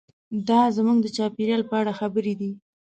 دا زموږ د چاپیریال په اړه خبرې دي.